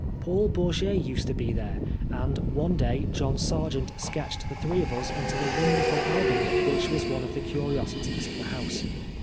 Paul Bourget used to be there, and one day John Sargent sketched the three of us into the wonderful album which was one of the curiosities of the house.